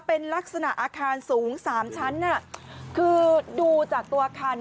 เป็นลักษณะอาคารสูง๓ชั้นคือดูจากตัวอาคาร